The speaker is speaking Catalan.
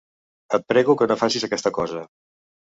Et prego que no facis aquesta cosa.